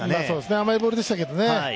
甘いボールでしたけどね。